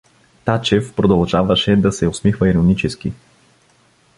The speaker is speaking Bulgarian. Тачев продължаваше да се усмихва иронически.